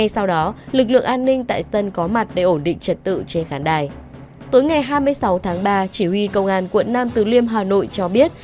xin mời quý vị cùng tìm hiểu